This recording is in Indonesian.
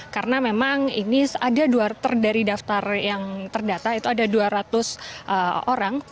karena memang ini ada dari daftar yang terdata itu ada dua ratus orang